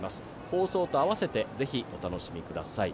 放送と合わせてぜひお楽しみください。